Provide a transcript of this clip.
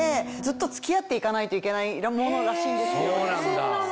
そうなんだ。